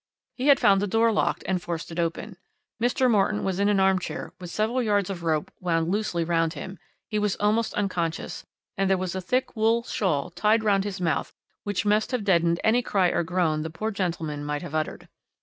He had found the door locked and forced it open. Mr. Morton was in an arm chair, with several yards of rope wound loosely round him; he was almost unconscious, and there was a thick wool shawl tied round his mouth which must have deadened any cry or groan the poor gentleman might have uttered.